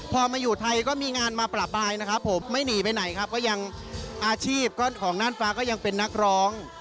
พอมาอยู่ไทยก็มีงานมาประปายนะครับผมไม่หนีไปไหนครับก็ยังอาชีพของน่านฟ้าก็ยังเป็นนักร้อง